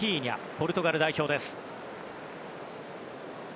ポルトガル代表です。